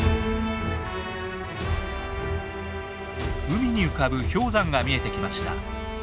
海に浮かぶ氷山が見えてきました。